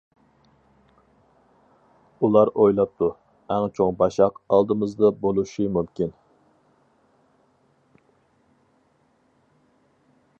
ئۇلار ئويلاپتۇ: ئەڭ چوڭ باشاق ئالدىمىزدا بولۇشى مۇمكىن.